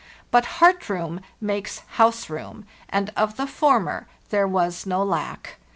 But 'heart room makes house room,' and of the former there was no lack.